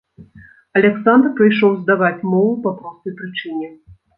Аляксандр прыйшоў здаваць мову па простай прычыне.